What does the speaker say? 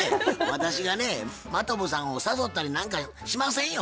私がね真飛さんを誘ったりなんかしませんよ